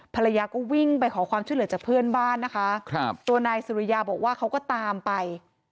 ภรรยาก็วิ่งไปขอความช่วยเหลือจากเพื่อนบ้านนะคะครับตัวนายสุริยาบอกว่าเขาก็ตามไป